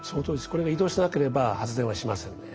これが移動しなければ発電はしませんね。